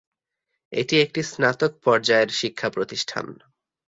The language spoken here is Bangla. এটি একটি স্নাতক পর্যায়ের শিক্ষা প্রতিষ্ঠান।